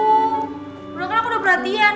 udah kan aku udah berhatian